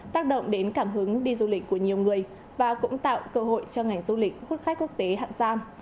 tác động đến cảm hứng đi du lịch của nhiều người và cũng tạo cơ hội cho ngành du lịch hút khách quốc tế hạng giam